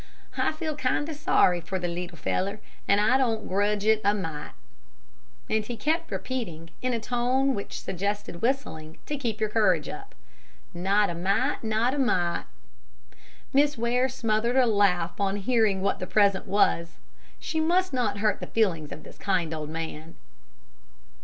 I feel kinder sorry for the leetle feller, and I don't grudge it a mite." And he kept repeating, in a tone which suggested whistling to keep your courage up, "Not a mite, not a mite." Miss Ware smothered a laugh on hearing what the present was. She must not hurt the feelings of this kind old man!